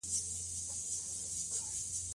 د ده شعرونه د زړه درد دی.